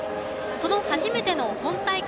その初めての本大会